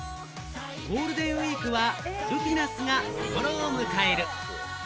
ゴールデンウイークはルピナスが見頃を迎える。